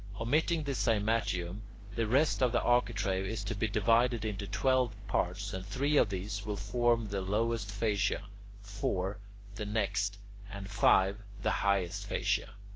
Omitting the cymatium, the rest of the architrave is to be divided into twelve parts, and three of these will form the lowest fascia, four, the next, and five, the highest fascia.